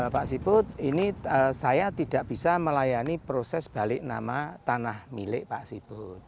pak siput ini saya tidak bisa melayani proses balik nama tanah milik pak siput